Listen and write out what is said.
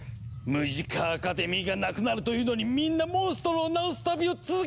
ムジカ・アカデミーがなくなるというのにみんなモンストロをなおす旅を続けているのだわ！